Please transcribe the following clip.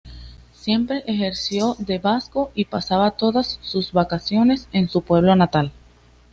Siempre ejerció de vasco, y pasaba todas sus vacaciones en su pueblo natal.